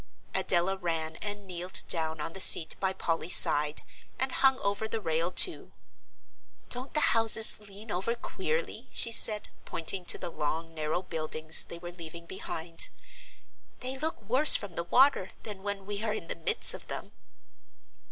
Adela ran and kneeled down on the seat by Polly's side and hung over the rail too. "Don't the houses lean over queerly?" she said, pointing to the long narrow buildings they were leaving behind. "They look worse from the water than when we are in the midst of them."